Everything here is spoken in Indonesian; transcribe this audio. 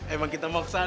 emang kita mau ke sana